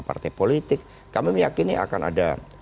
partai politik kami meyakini akan ada